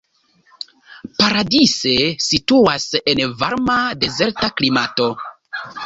Paradise situas en varma dezerta klimato.